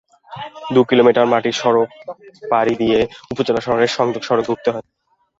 দুই কিলোমিটার মাটির সড়ক পাড়ি দিয়ে উপজেলা শহরের সংযোগ সড়কে উঠতে হয়।